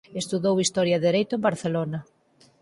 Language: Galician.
Estudou historia e dereito en Barcelona.